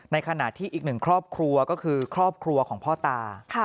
ขณะที่อีกหนึ่งครอบครัวก็คือครอบครัวของพ่อตา